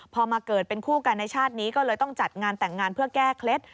พอมาเกิดเป็นคู่กันในชาตินี้ก็เลยต้องจัดงานแต่งงานเพื่อแก้เคล็ด